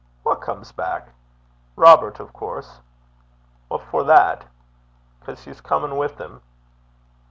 'Wha comes back?' 'Robert, of course.' 'What for that?' ''Cause he's comin' wi' 'im.'